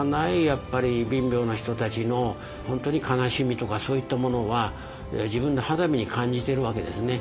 やっぱり貧乏な人たちの本当に悲しみとかそういったものは自分の肌身に感じてるわけですね。